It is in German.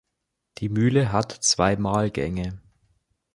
Die Mühle hat zwei Mahlgänge.